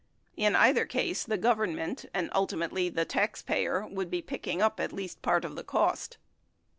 In either case the Government and ultimately the taxpayer would be picking up at least paid of the cost.